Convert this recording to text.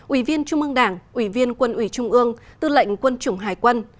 ủy viên trung ương đảng ủy viên quân ủy trung ương tư lệnh quân chủng hải quân